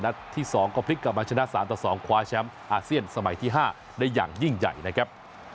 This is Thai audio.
ที่๒ก็พลิกกลับมาชนะ๓ต่อ๒คว้าแชมป์อาเซียนสมัยที่๕ได้อย่างยิ่งใหญ่นะครับ